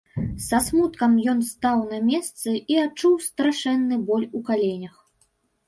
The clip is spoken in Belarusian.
Са смуткам ён стаў на месцы і адчуў страшэнны боль у каленях.